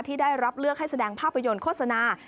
ที่ได้รับเลือกให้แสดงภาพยนตร์โฆษณา